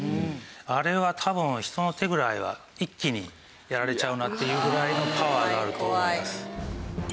あれは多分人の手ぐらいは一気にやられちゃうなっていうぐらいのパワーがあると思います。